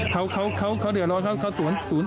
เขาเขาเขาเขาเดือดร้อนเขาเขาเขาสูญ